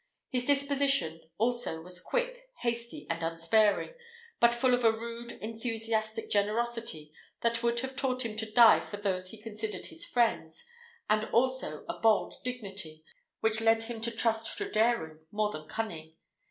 His disposition also was quick, hasty, and unsparing, but full of a rude enthusiastic generosity, that would have taught him to die for those he considered his friends, and also a bold dignity, which led him to trust to daring more than cunning.